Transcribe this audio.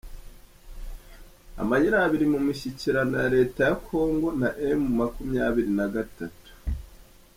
Amayirabiri mu mishyikirano ya Leta ya kongo na emu makumyabiri nagatatu